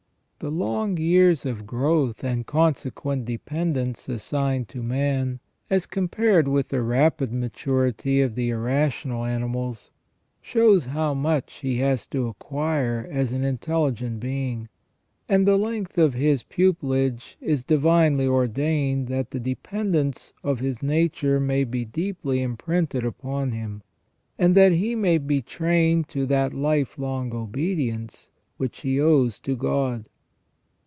The long years of growth and consequent dependence assigned to man, as compared with the 394 FROM THE BEGINNING TO THE END OF MAN. rapid maturity of the irrational animals, shows how much he has to acquire as an intelligent being ; and the length of his pupilage is divinely ordained that the dependence of his nature may be deeply imprinted upon him, and that he may be trained to that life long obedience which he owes to God.